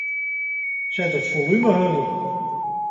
Set it folume hurder.